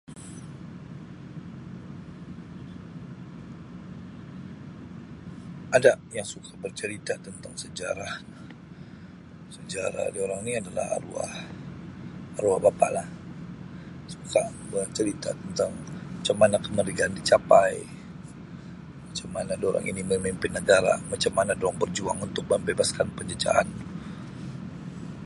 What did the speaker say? Ada yang suka bercerita tentang sejarah, sejarah durang ni adalah arwah-arwah bapa lah suka bercerita tentang macam mana kemerdekaan dicapai, macam mana durang ini memimpin negara, macam mana durang berjuang untuk membebaskan penjajahan.